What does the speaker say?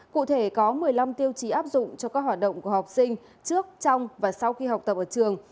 cụ thể có một mươi năm tiêu chí áp dụng cho các hoạt động của học sinh trước trong và sau khi học tập ở trường